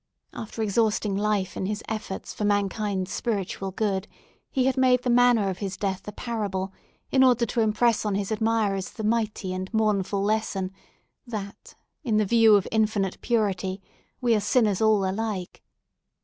After exhausting life in his efforts for mankind's spiritual good, he had made the manner of his death a parable, in order to impress on his admirers the mighty and mournful lesson, that, in the view of Infinite Purity, we are sinners all alike.